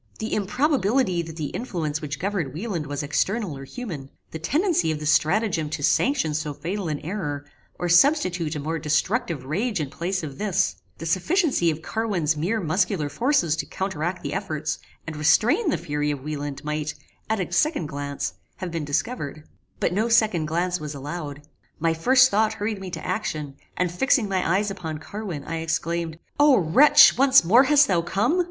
The improbability that the influence which governed Wieland was external or human; the tendency of this stratagem to sanction so fatal an error, or substitute a more destructive rage in place of this; the sufficiency of Carwin's mere muscular forces to counteract the efforts, and restrain the fury of Wieland, might, at a second glance, have been discovered; but no second glance was allowed. My first thought hurried me to action, and, fixing my eyes upon Carwin I exclaimed "O wretch! once more hast thou come?